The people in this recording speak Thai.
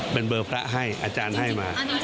เป็นเบอร์พระให้อาจารย์ให้มา